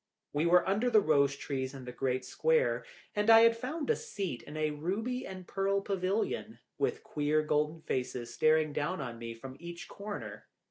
We were under the rose trees in the great square, and I had found a seat in a ruby and pearl pavillion, with queer golden faces staring down on me from each corner.